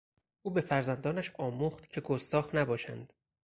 او به فرزندانش آموخت که گستاخ نباشند.